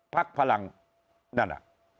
ภักดิ์พลังนั่น